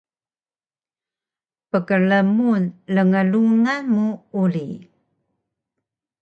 Pkrmun lnglungan mu uri